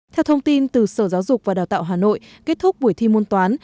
theo thông tin từ sở giáo dục và đào tạo hà nội kết thúc buổi thi môn toán